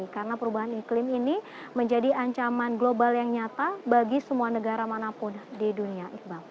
karena perubahan iklim ini menjadi ancaman global yang nyata bagi semua negara manapun di dunia